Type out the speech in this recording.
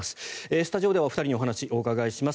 スタジオではお二人にお話を伺います。